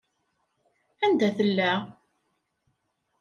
Anda tella?